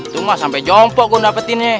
tumai sampe jompo kum dapetinnya